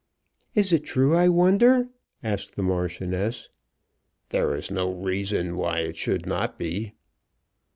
"Is it true, I wonder?" asked the Marchioness. "There is no reason why it should not be."